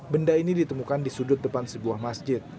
benda ini ditemukan di sudut depan sebuah masjid